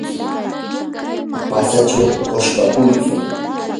patsachaw quchpakuychu.